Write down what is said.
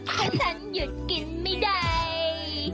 เพราะฉันหยุดกินไม่ได้